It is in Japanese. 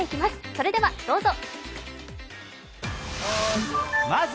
それではどうぞ。